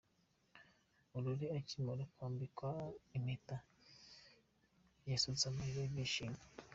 Aurore akimara kwambikwa impeta yasutse amarira y'ibyishimo.